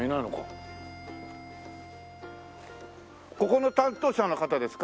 ここの担当者の方ですか？